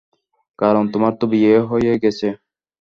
কারণ তোমার তো বিয়ে হয়ে গেছে।